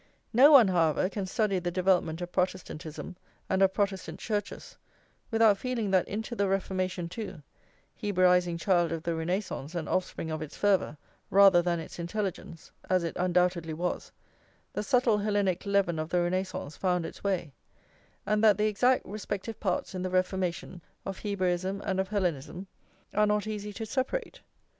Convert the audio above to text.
No one, however, can study the development of Protestantism and of Protestant churches without feeling that into the Reformation too, Hebraising child of the Renascence and offspring of its fervour, rather than its intelligence, as it undoubtedly was, the subtle Hellenic leaven of the Renascence found its way, and that the exact respective parts in the Reformation, of Hebraism and of Hellenism, are not easy to separate.